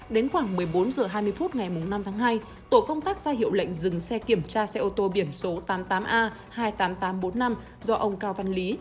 đến khoảng một mươi bốn h hai mươi phút ngày năm tháng hai tổ công tác ra hiệu lệnh dừng xe kiểm tra xe ô tô biển số tám mươi tám a hai mươi tám nghìn tám trăm bốn mươi năm do ông cao văn lý